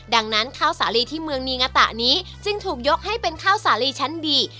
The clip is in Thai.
ดังนั้นข้าวสาลีที่เมืองนีงาตะนี้จึงถูกยกให้เป็นข้าวสาลีชั้นดี